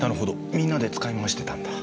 みんなで使い回してたんだ。